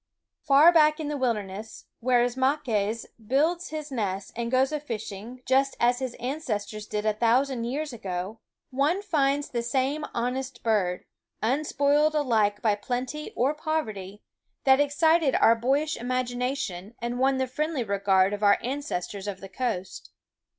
Far back in the wilderness, w^here Ismaques builds his nest and goes a fishing just as his ancestors did a thousand years ago, one finds the same honest bird, unspoiled alike by plenty or poverty, that excited our boyish THE WOODS imagination and won the friendly regard of our ancestors of the coast.